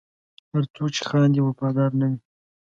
هر څوک چې خاندي، وفادار نه وي.